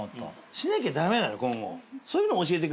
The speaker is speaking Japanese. しなきゃダメなのよ今後。